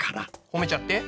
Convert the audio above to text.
ほめちゃって。